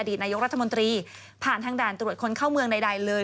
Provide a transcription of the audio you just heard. นายกรัฐมนตรีผ่านทางด่านตรวจคนเข้าเมืองใดเลย